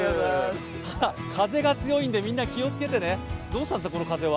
風が強いんで、みんな気を付けてねどうしたんですか、この風は。